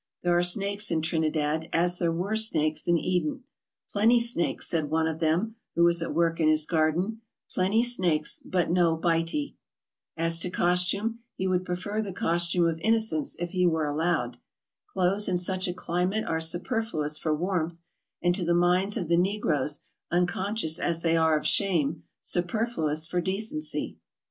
There are snakes in Trinidad as there were snakes in Eden. " Plenty snakes, '' said one of them who was at work in his garden, "plenty snakes, but no bitee. " As to costume, he would prefer the costume of innocence if he were allowed. Clothes in such a climate are superfluous for warmth, and to the minds of the negroes, unconscious as they are of shame, superfluous for decency.